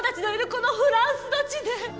このフランスの地で。